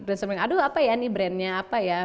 terus aduh apa ya ini brandnya apa ya